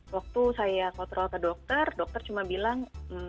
waktu saya kontrol ke dokter dokter cuma bilang